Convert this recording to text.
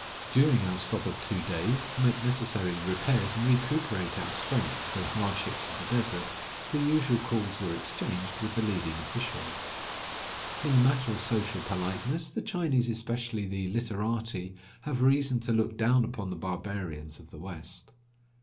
During our stop of two days, to make necessary repairs and recuperate our strength for the hardships of the desert, the usual calls were exchanged with the leading officials. In the matter of social politeness the Chinese, especially the "literati," have reason to look down upon the barbarians of the West.